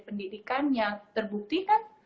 pendidikan yang terbukti kan